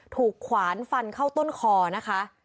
ขวานฟันเข้าต้นคอนะคะ